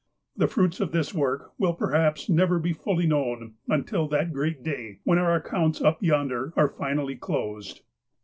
The fruits of this work will per haps never be fully known, until that great day, when our accounts up yonder are finally closed.